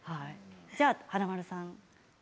じゃあ華丸さん。